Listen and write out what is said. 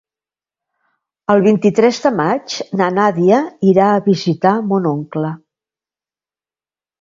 El vint-i-tres de maig na Nàdia irà a visitar mon oncle.